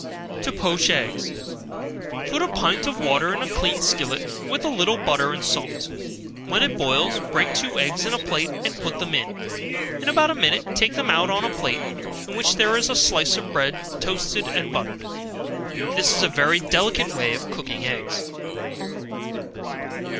To Poach Eggs. Put a pint of water in a clean skillet, with a little butter and salt; when it boils, break two eggs in a plate, and put them in; in about a minute, take them up on a plate, in which there is a slice of bread toasted and buttered. This is a very delicate way of cooking eggs.